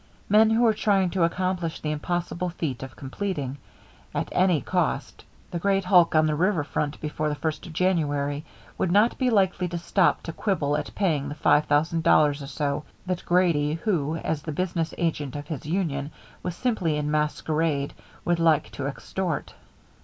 Men who were trying to accomplish the impossible feat of completing, at any cost, the great hulk on the river front before the first of January, would not be likely to stop to quibble at paying the five thousand dollars or so that Grady, who, as the business agent of his union was simply in masquerade, would like to extort.